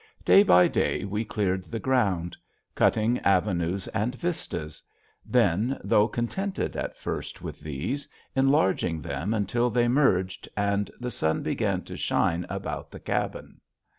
Day by day we cleared the ground; cutting avenues and vistas; then, though contented at first with these, enlarging them until they merged, and the sun began to shine about the cabin.